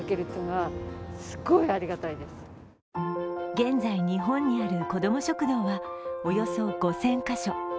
現在、日本にある子ども食堂はおよそ５０００カ所。